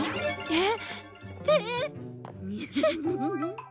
えっ！？